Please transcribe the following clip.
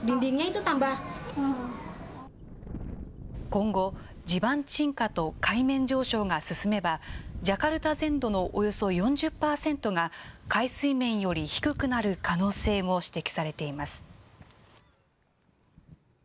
今後、地盤沈下と海面上昇が進めば、ジャカルタ全土のおよそ４０％が、海水面より低くなる可能性も指摘されています。